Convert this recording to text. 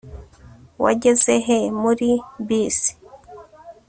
Wageze he muri bisi